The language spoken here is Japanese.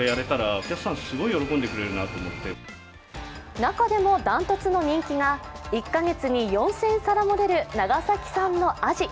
中でも断トツの人気が１か月に４０００貫も出る長崎産のあじ。